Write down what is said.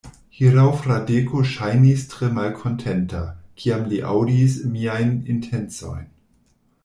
Hieraŭ Fradeko ŝajnis tre malkontenta, kiam li aŭdis miajn intencojn.